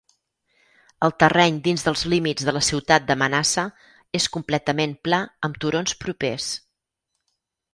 El terreny dins dels límits de la ciutat de Manassa és completament pla amb turons propers.